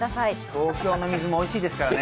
東京の水もおいしいですからね。